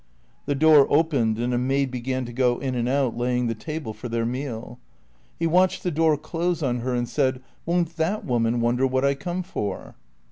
The door opened and a maid began to go in and out, laying the table for their meal. He watched the door close on her and said, "Won't that woman wonder what I come for?"